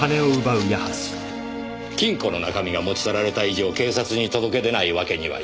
金庫の中身が持ち去られた以上警察に届け出ないわけにはいかない。